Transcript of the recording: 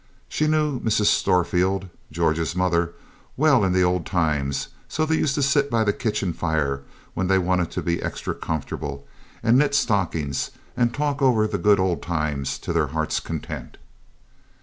She knew Mrs. Storefield (George's mother) well in the old times; so they used to sit by the kitchen fire when they wanted to be extra comfortable, and knit stockings and talk over the good old times to their hearts' content.